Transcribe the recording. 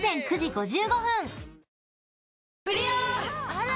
あら！